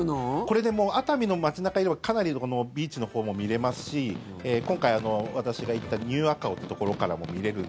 これ、熱海の街中いればかなりビーチのほうも見れますし今回、私が行ったニューアカオというところからも見れるの？